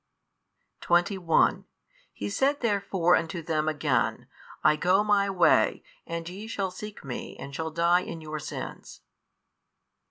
21 He said therefore unto them again, I go My way, and ye shall seek Me and shall die in your sins.